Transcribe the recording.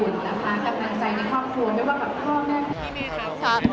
ครอบครัวที่อบอุ่นนะคะกับนางใจในครอบครัวไม่ว่ากับครอบแม่